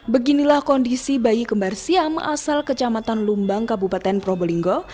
beginilah kondisi bayi kembarsiam asal kecamatan lumbang kabupaten probolinggo